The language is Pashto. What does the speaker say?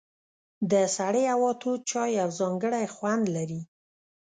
د سړې هوا تود چای یو ځانګړی خوند لري.